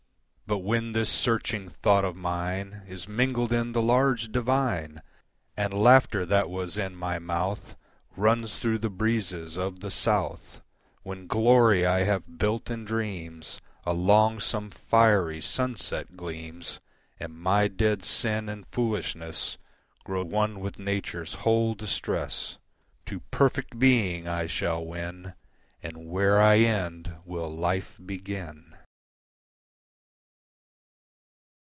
But when this searching thought of mine Is mingled in the large Divine, And laughter that was in my mouth Runs through the breezes of the South, When glory I have built in dreams Along some fiery sunset gleams, And my dead sin and foolishness Grow one with Nature's whole distress, To perfect being I shall win, And where I end will Life begin.